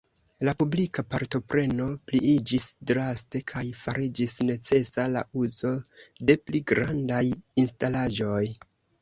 La publika partopreno pliiĝis draste kaj fariĝis necesa la uzo de pli grandaj instalaĵoj.